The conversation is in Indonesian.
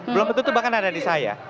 belum tentu bahkan ada di saya